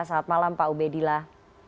selamat malam pak ubedillah